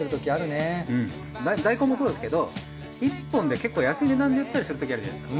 大根もそうですけど１本で結構安い値段で売ってたりしてるときあるじゃないですか。